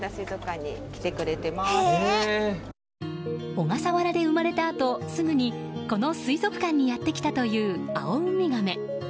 小笠原で生まれたあと、すぐにこの水族館にやってきたというアオウミガメ。